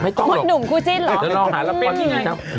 ไม่ต้องหรอกจะลองหาแล้วเป็นยังไงนะฮะมดหนุ่มกูจิ้นเหรอ